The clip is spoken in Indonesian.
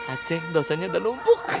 a ceng dosanya udah lupuk